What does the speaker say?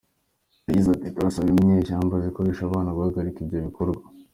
Yagize ati "Turasaba inyeshyamba zikoresha abana guhagarika ibyo bikorwa.